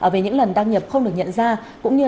về những lần đăng nhập không được nhận ra cũng như